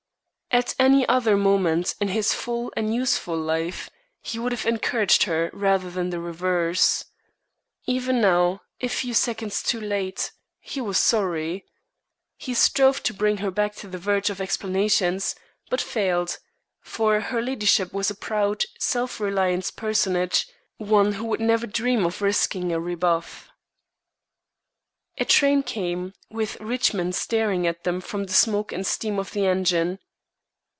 At any other moment in his full and useful life he would have encouraged her rather than the reverse. Even now, a few seconds too late, he was sorry. He strove to bring her back to the verge of explanations, but failed, for her ladyship was a proud, self reliant personage one who would never dream of risking a rebuff. A train came, with "Richmond" staring at them from the smoke and steam of the engine.